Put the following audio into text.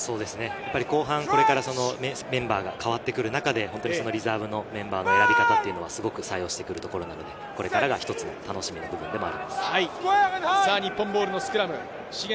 後半、これからメンバーが変わってくる中でリザーブのメンバーの選び方というのはすごく作用してくるところなのでこれから楽しみな部分でもあると思います。